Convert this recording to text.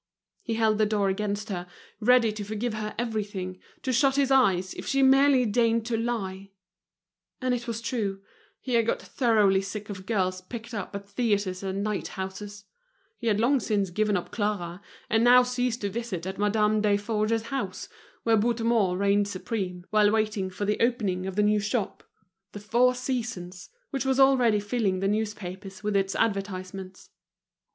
He held the door against her, ready to forgive her everything, to shut his eyes, if she merely deigned to lie. And it was true, he had got thoroughly sick of girls picked up at theatres and night houses; he had long since given up Clara and now ceased to visit at Madame Desforges's house, where Bouthemont reigned supreme, while waiting for the opening of the new shop, The Four Seasons, which was already filling the newspapers with its advertisements.